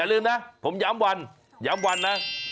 ลืมนะผมย้ำวันย้ำวันนะ